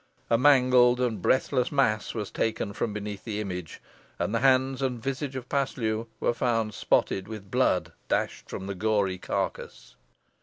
A mangled and breathless mass was taken from beneath the image, and the hands and visage of Paslew were found spotted with blood dashed from the gory carcass.